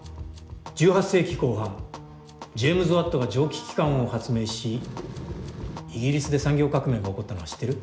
１８世紀後半ジェームズ・ワットが蒸気機関を発明しイギリスで産業革命が起こったのは知ってる？